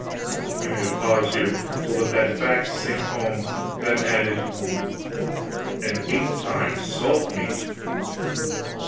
He made a pause here, to let that fact sink home, then added "and eight times salt meat."